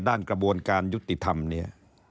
ด้านกระบวนการยุติธรรมนี้